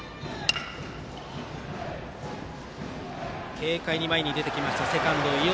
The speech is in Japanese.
軽快に前に出てきたセカンド伊尾。